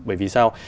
bởi vì sao